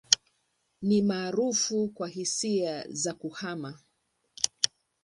Ni maarufu kwa hisia za kuhama.